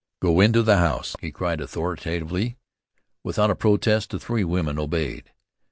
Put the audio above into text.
"Go into the house!" he cried authoritatively. Without a protest the three women obeyed.